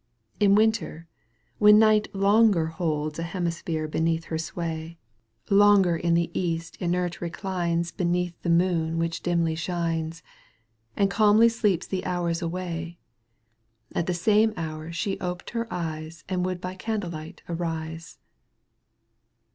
In winter, when Night longer holds A hemisphere beneath her sway. Digitized by VjOOQ 1С 54 EUGENE ONi:GUINE. OAirro ы. Longer the East inert reclines Beneath the moon which dimly shines, And calmly sleeps the hours away, At the same hour she oped her eyes And would by candlelight arise.